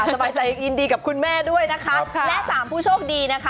สบายใจยินดีกับคุณแม่ด้วยนะคะและสามผู้โชคดีนะคะ